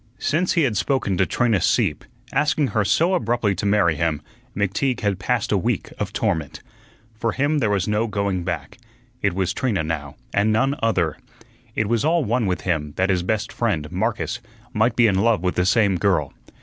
Since he had spoken to Trina Sieppe, asking her so abruptly to marry him, McTeague had passed a week of torment. For him there was no going back. It was Trina now, and none other. It was all one with him that his best friend, Marcus, might be in love with the same girl.